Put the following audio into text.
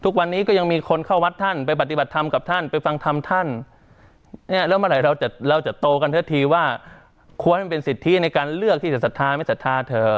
ทุกวันนี้ก็ยังมีคนเข้าวัดท่านไปปฏิบัติธรรมกับท่านไปฟังธรรมท่านเนี่ยแล้วเมื่อไหร่เราจะเราจะโตกันสักทีว่าควรให้มันเป็นสิทธิในการเลือกที่จะศรัทธาไม่ศรัทธาเถอะ